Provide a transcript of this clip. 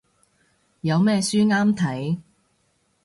有咩書啱睇